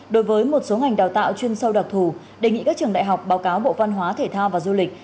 đối với một số ngành đào tạo chuyên sâu đặc thù đề nghị các trường đại học báo cáo bộ văn hóa thể thao và du lịch